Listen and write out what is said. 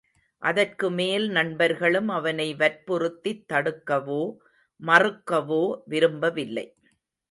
அதற்குமேல் நண்பர்களும் அவனை வற்புறுத்தித் தடுக்கவோ மறுக்கவோ விரும்பவில்லை.